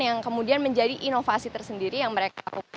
yang kemudian menjadi inovasi tersendiri yang mereka